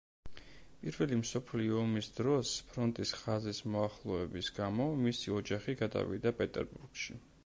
პირველი მსოფლიო ომის დროს ფრონტის ხაზის მოახლოების გამო მისი ოჯახში გადავიდა პეტერბურგში.